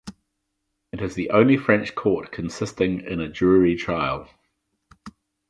It is the only French court consisting in a jury trial.